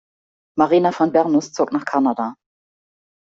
Marina von Bernus zog nach Kanada.